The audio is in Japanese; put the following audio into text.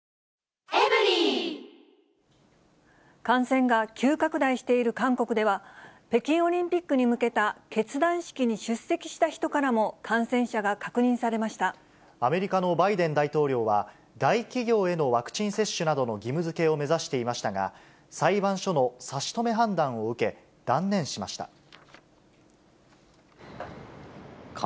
感染が急拡大している韓国では、北京オリンピックに向けた結団式に出席した人からも、感染者が確アメリカのバイデン大統領は、大企業へのワクチン接種などの義務づけを目指していましたが、裁判所の差し止め判断を受け、断念しました。